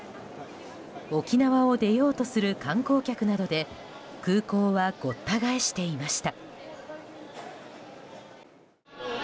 沖縄を出ようとする観光客などで空港はごった返していました。